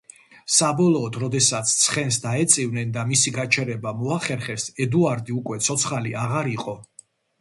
საბოლოოდ, როდესაც ცხენს დაეწივნენ და მისი გაჩერება მოახერხეს, ედუარდი უკვე ცოცხალი აღარ იყო.